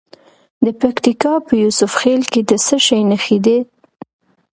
د پکتیکا په یوسف خیل کې د څه شي نښې دي؟